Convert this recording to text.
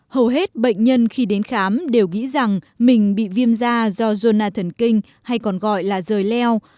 hầu hết bệnh nhân khi đến khám đều nghĩ rằng mình bị viêm da dojna thần kinh hay còn gọi là rời leo